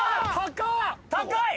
高い！